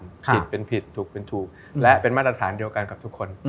ผิดเป็นผิดถูกเป็นถูกและเป็นมาตรฐานเดียวกันกับทุกคน